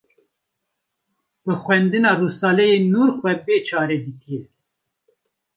bi xwendina Risaleyên Nûr xwe bê çare dîtîye